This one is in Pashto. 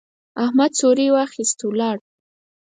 احمد څوری واخيست، ولاړ.